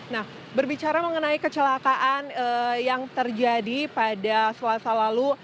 nah berbicara mengenai kecelakaan yang terjadi pada selasa lalu